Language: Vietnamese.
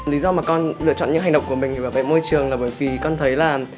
lý do mà con lựa chọn những hành động của mình về môi trường là bởi vì con thấy là